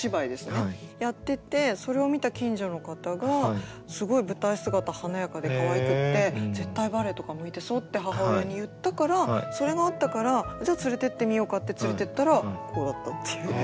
やっててそれを見た近所の方が「すごい舞台姿華やかでかわいくって絶対バレエとか向いてそう」って母親に言ったからそれがあったからじゃあ連れてってみようかって連れてったらこうだったっていう。